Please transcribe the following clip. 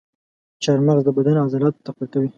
چارمغز د بدن عضلات تقویه کوي.